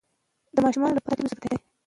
د ماشومانو لپاره تعلیم ضروري ده